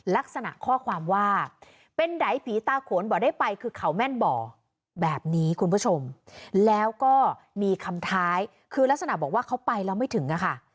ลักษณะข้อความว่าเป็นใดผีตาโขนบ่อได้ไปคือเขาแม่นบ่อแบบนี้คุณผู้ชมแล้วก็มีคำท้ายคือลักษณะบอกว่าเขาไปแล้วไม่ถึงอะค่ะ